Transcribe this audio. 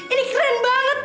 ini keren banget